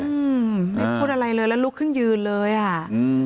อืมไม่พูดอะไรเลยแล้วลุกขึ้นยืนเลยอ่ะอืม